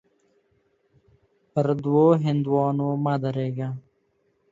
پر دوو هندوانو مه درېږه.